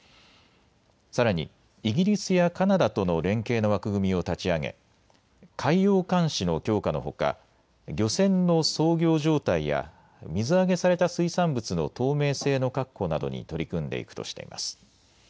さらにイギリスやカナダとの連携の枠組みを立ち上げ、海洋監視の強化のほか漁船の操業状態や水揚げされた水産物の透明性の確保などに取り組んでいくとしています。